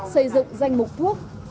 xây dựng danh mục thuốc